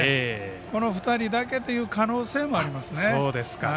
この２人だけという可能性もありますね。